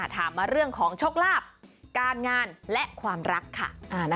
ถามมาเรื่องของโชคลาภการงานและความรักค่ะ